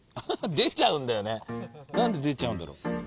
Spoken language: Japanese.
何で出ちゃうんだろう？